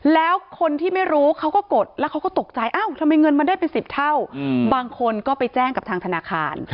แล้วคนที่ไม่รู้เขาก็กดแล้วเขาก็ตกใจเอ้าทำไมเงินมันได้เป็น๑๐เท่าบางคนก็ไปแจ้งกับทางธนาคาร